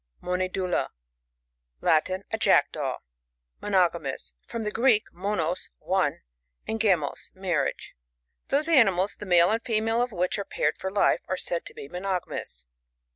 MoNEDULA. — Latin. A Jackdaw. Monogamous. — From the Greek, monoSt one, and gamos, marriage. Those animals, the male and female of which are paired for life, are said to be monogamous.